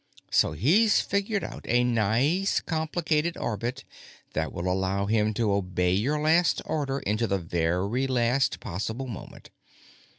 So he's figured out a nice, complicated orbit that will allow him to obey your last order until the very last possible moment.